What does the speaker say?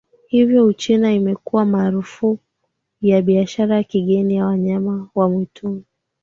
Hivyo Uchina imeweka marufuku ya biashara ya kigeni ya wanyama wa mwituni